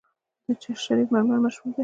د چشت شریف مرمر مشهور دي